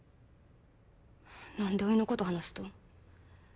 何でおいのこと話すと？